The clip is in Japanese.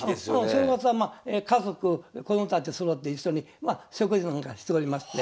正月は家族子供たちそろって一緒に食事なんかしておりまして。